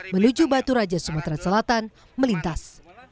menuju batu raja sumatera selatan melintas